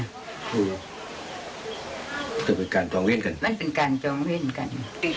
คือเป็นการจองเล่นกัน